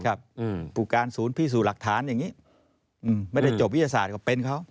ผู้การศูนย์พิสูจน์หลักฐานอย่างนี้ไม่ได้จบวิทยาศาสตร์ก็เป็นเขา